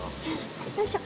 よいしょ。